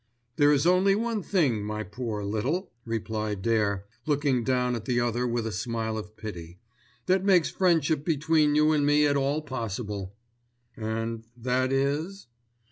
"There is only one thing, my poor Little," replied Dare, looking down at the other with a smile of pity, "that makes friendship between you and me at all possible." "And that is?"